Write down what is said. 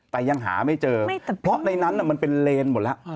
แต่ยังหาไม่เจอเพราะในนั้นมันเป็นเลนหมดแล้ว